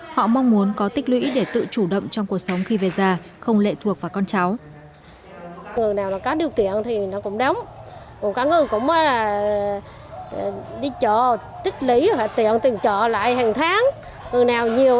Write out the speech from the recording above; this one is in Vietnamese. họ mong muốn có tích lũy để tự chủ động trong cuộc sống khi về già không lệ thuộc vào con cháu